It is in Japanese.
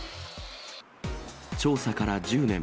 調査から１０年。